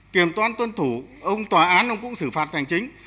kiểm toán tuân thủ ông tòa án ông cũng xử phạt hành chính